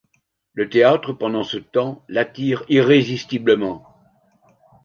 Le théâtre, pendant ce temps, l'attire irrésistiblement.